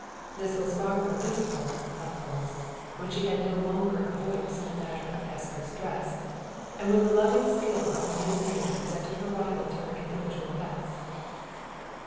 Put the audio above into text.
This was far more difficult, of course, when she had no longer a voice in the matter of Hesper's dress, and when the loving skill of the new maid presented her rival to her individual best.